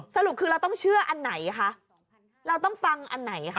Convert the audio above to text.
สรุปคือเราต้องเชื่ออันไหนคะเราต้องฟังอันไหนคะ